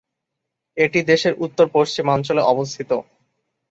এটি দেশের উত্তর পশ্চিমাঞ্চলে অবস্থিত।